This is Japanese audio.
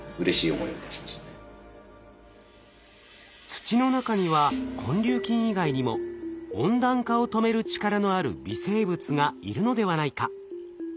土の中には根粒菌以外にも温暖化を止める力のある微生物がいるのではないか。